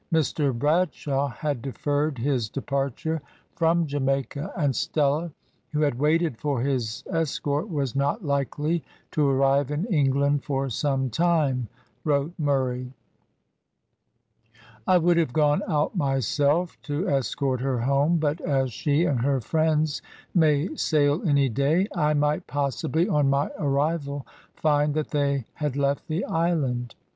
Mr Bradshaw had deferred his departure from Jamaica, and Stella, who had waited for his escort, was not likely to arrive in England for some time, wrote Murray "I would have gone out myself to escort her home, but as she and her friends may sail any day, I might, possibly, on my arrival, find that they had left the island.